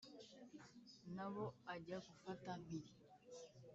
n’abo ajya gufata mpiri